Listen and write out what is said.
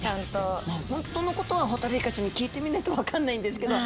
本当のことはホタルイカちゃんに聞いてみないと分かんないんですけど。